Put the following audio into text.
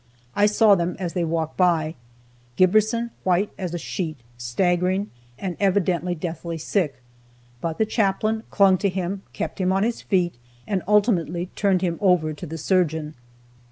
I saw them as they walked by, Giberson white as a sheet, staggering, and evidently deathly sick, but the chaplain clung to him, kept him on his feet, and ultimately turned him over to the surgeon.